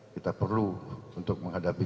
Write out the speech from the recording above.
kita perlu untuk menghadapi